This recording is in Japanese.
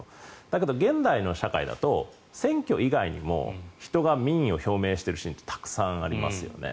だけど現代の社会だと選挙以外にも人が民意を表明しているシーンってたくさんありますよね。